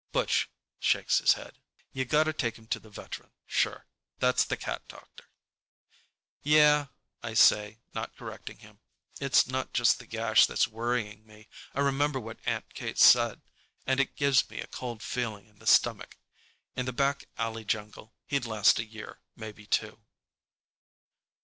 Butch shakes his head. "You gotta take him to the veteran, sure. That's the cat doctor." "Yeah," I say, not correcting him. It's not just the gash that's worrying me. I remember what Aunt Kate said, and it gives me a cold feeling in the stomach: In the back alley jungle he'd last a year, maybe two.